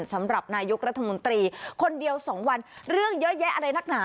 สำหรับนายกรัฐมนตรีคนเดียว๒วันเรื่องเยอะแยะอะไรนักหนา